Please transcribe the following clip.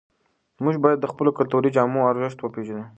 موږ باید د خپلو کلتوري جامو ارزښت وپېژنو.